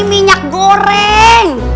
ini minyak goreng